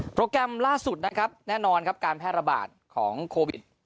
แกรมล่าสุดนะครับแน่นอนครับการแพร่ระบาดของโควิด